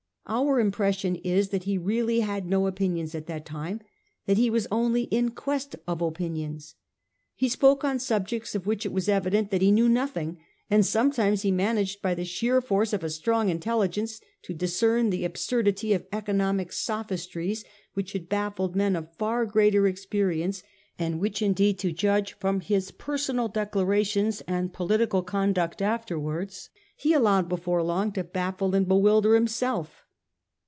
Our impression is that he really had no opinions at that time ; that he was only in quest of opinions. He spoke on subjects of which it was evident that he knew nothing, and sometimes he managed by the sheer force of a strong intelligence to discern the absurdity of economic sophistries which had baffled men of far greater experience, and which indeed, to judge from his personal declarations and political conduct afterwards, he allowed before long to baffle and bewilder himself.